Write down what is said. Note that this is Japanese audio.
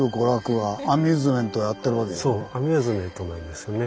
そうアミューズメントなんですよね。